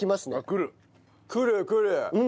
くるくる！